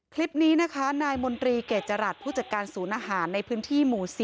คลิปนี้นะคะนายมนตรีเกจรัฐผู้จัดการศูนย์อาหารในพื้นที่หมู่๔